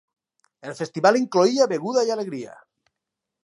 El festival incloïa beguda i alegria.